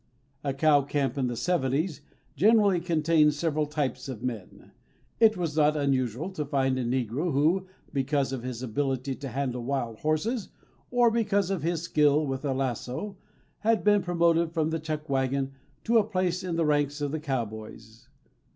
A cow camp in the seventies generally contained several types of men. It was not unusual to find a negro who, because of his ability to handle wild horses or because of his skill with a lasso, had been promoted from the chuck wagon to a place in the ranks of the cowboys.